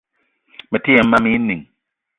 Mete yem mam éè inìng